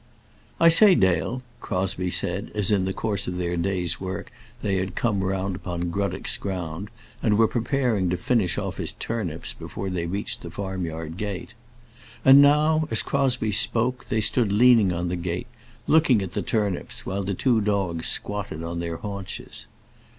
"I say, Dale," Crosbie said, as in the course of their day's work they had come round upon Gruddock's ground, and were preparing to finish off his turnips before they reached the farm yard gate. And now, as Crosbie spoke, they stood leaning on the gate, looking at the turnips while the two dogs squatted on their haunches.